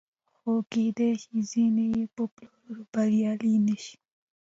خو کېدای شي ځینې یې په پلورلو بریالي نشي